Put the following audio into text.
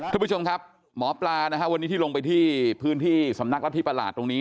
ทุกผู้ชมครับหมอปลานะฮะวันนี้ที่ลงไปที่พื้นที่สำนักรัฐธิประหลาดตรงนี้